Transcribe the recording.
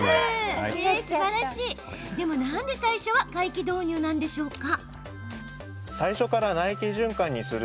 でも、なんで最初は外気導入なんでしょうか？